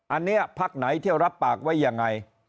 อันนี้พักไหนเที่ยวรับปากไว้ยังไง